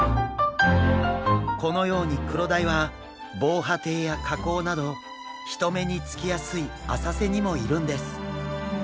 このようにクロダイは防波堤や河口など人目につきやすい浅瀬にもいるんです。